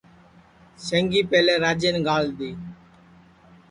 سینگی پیہلے راجِئین گاݪ دؔی